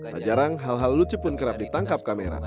tak jarang hal hal lucu pun kerap ditangkap kamera